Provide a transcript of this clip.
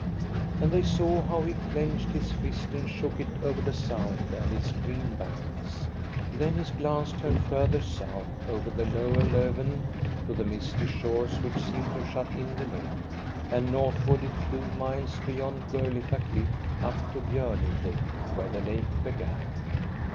And they saw how he clenched his fist and shook it over the sound and its green banks. Then his glance turned further south over the lower Lofven to the misty shores which seemed to shut in the lake, and north ward it flew miles beyond Gurlitta Cliff up to Bjornidet, where the lake began.